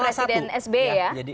presiden sby ya